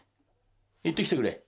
行ってきてくれ。